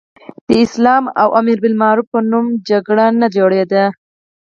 د اسلام او امر بالمعروف په نوم جګړه نه جوړېدله.